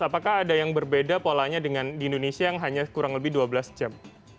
apakah ada yang berbeda polanya dengan di indonesia yang hanya kurang lebih dua belas jam